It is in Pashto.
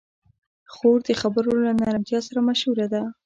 خور د خبرو له نرمتیا سره مشهوره ده.